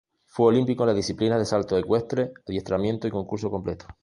Fue olímpico en las disciplinas de salto ecuestre, adiestramiento y concurso completo.